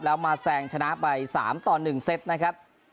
แล้วมาแซงชนะไป๓ต่อ๑เซตนะครับ